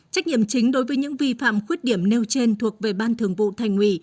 trách nhiệm chính đối với những vi phạm khuyết điểm nêu trên thuộc về ban thường vụ thành ủy